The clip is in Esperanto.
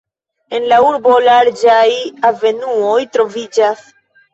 En la urbo larĝaj avenuoj troviĝas.